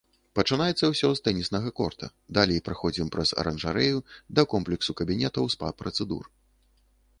Пачынаецца ўсё з тэніснага корта, далей праходзім праз аранжарэю да комплексу кабінетаў спа-працэдур.